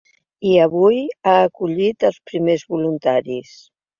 I avui ha acollit els primers voluntaris.